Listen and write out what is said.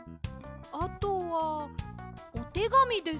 あとはおてがみです。